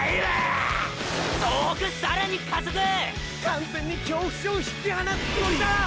完全に京伏を引き離すつもりだ！！